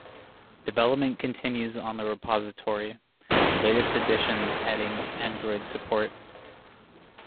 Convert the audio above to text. Development continues on the repository, latest additions adding Android support.